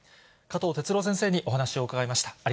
加藤哲朗先生にお話を伺いました。